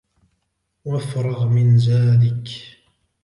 وَافْرَغْ مِنْ زَادِك